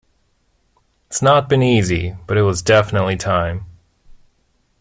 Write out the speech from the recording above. It's not been easy but it was definitely time.